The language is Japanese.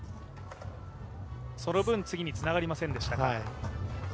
その分、次につながりませんでしたが。